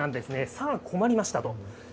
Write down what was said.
さあ、困りましたと。